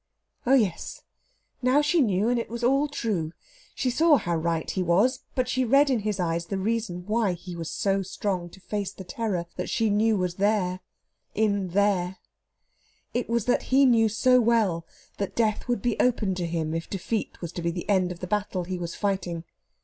Oh, yes; now she knew, and it was all true. She saw how right he was, but she read in his eyes the reason why he was so strong to face the terror that she knew was there in there! It was that he knew so well that death would be open to him if defeat was to be the end of the battle he was fighting.